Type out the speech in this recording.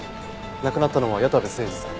亡くなったのは矢田部誠治さん